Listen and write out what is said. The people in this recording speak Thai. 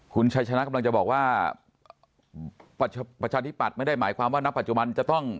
คุณชัยชนะกำลังจะบอกว่าประชาธิปัตย์ไม่ได้หมายความว่าณปัจจุบันจะต้อง